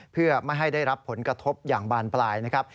เพื่อไม่ให้ได้รับผลกระทบอย่างบานปลายนะครับ